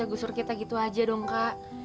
udah pulang ya